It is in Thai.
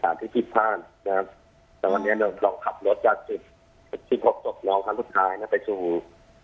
แต่วันนี้เนี่ยเราเคลิปครับรถจากที่พบน้องครั้งสุดท้ายในช่วง